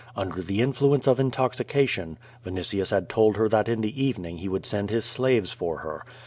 Under the influence of intoxication, Vinitius had told her that in the evening he would send his slaves for her.